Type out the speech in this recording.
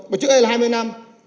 mà trước đây là hai mươi năm